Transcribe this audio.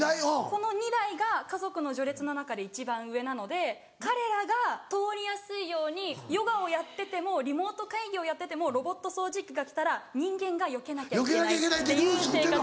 この２台が家族の序列の中で一番上なので彼らが通りやすいようにヨガをやっててもリモート会議をやっててもロボット掃除機が来たら人間がよけなきゃいけないっていう生活。